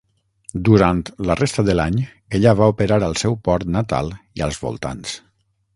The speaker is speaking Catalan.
Durant la resta de l'any, ella va operar al seu port natal i als voltants.